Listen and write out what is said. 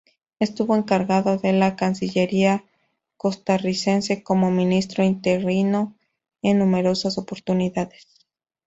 Estuvo encargado de la Cancillería costarricense como ministro interino en numerosas oportunidades.